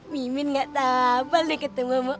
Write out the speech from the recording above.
mimin gak tabal nih ketemu olga